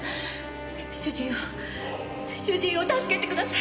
主人を主人を助けてください！